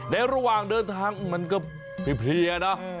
ระหว่างเดินทางมันก็เพลียนะ